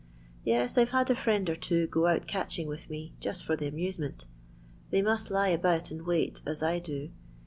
Yes, I 've had a friend or two go out catching with me just for the amusement. They must lie about and wait as I do.